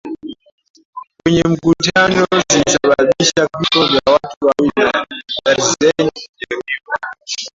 kwenye mkutano zilisababisha vifo vya watu wawili na darzeni kujeruhiwa